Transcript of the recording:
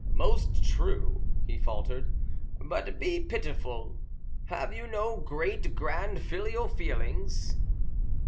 "Most true," he faltered; "but be pitiful. Have you no great grand filial feelings?"